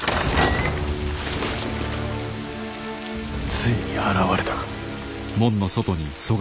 ついに現れたか。